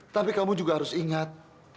tapi kamu juga harus ingat